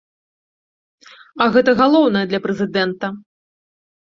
А гэта галоўнае для прэзідэнта.